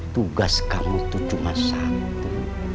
tugas kamu itu cuma satu